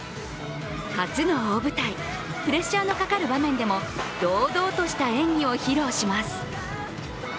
初の大舞台、プレッシャーのかかる場面でも堂々とした演技を披露します。